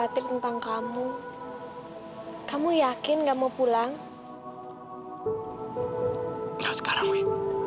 tidak sekarang wi